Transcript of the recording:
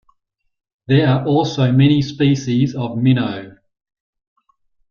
There are also many species of minnow.